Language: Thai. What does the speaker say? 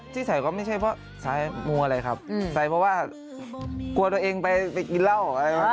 ที่ใส่ก็ไม่ใช่เพราะสายมัวอะไรครับใส่เพราะว่ากลัวตัวเองไปกินเหล้าอะไร